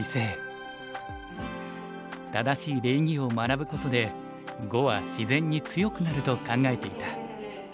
正しい礼儀を学ぶことで碁は自然に強くなると考えていた。